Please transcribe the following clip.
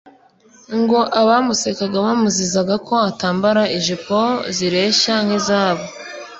ngo abamusekaga bamuzizaga ko atambara ijipo zireshya nk’izabo,